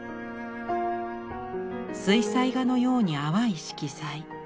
水彩画のように淡い色彩。